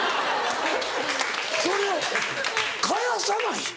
それを返さない？